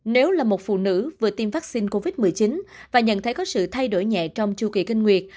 nếu là một phụ nữ vừa tiêm vaccine covid một mươi chín và nhận thấy có sự thay đổi nhẹ trong chu kỳ kinh nguyệt